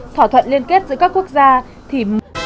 thỏa thuận liên kết giữa các quốc gia thì